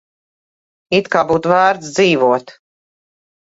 It kā būtu vērts dzīvot.